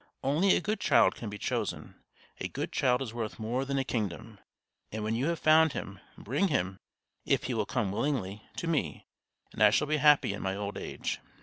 Only a good child can be chosen. A good child is worth more than a kingdom. And when you have found him, bring him, if he will come willingly, to me, and I shall be happy in my old age."